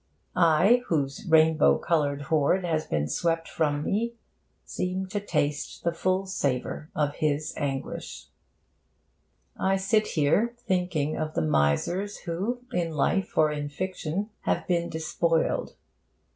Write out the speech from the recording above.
I whose rainbow coloured hoard has been swept from me, seem to taste the full savour of his anguish. I sit here thinking of the misers who, in life or in fiction, have been despoiled.